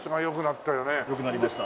良くなりました。